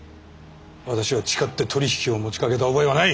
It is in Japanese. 私は誓って取り引きを持ちかけた覚えはない！